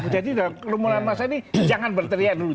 jadi dalam kerumunan masa ini jangan berteriak dulu